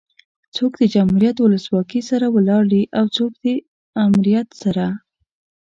څوک د جمهوريت ولسواکي سره ولاړ دي او څوک ده امريت سره